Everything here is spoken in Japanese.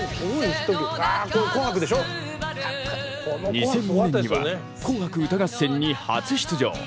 ２００２年には「紅白歌合戦」に初出場。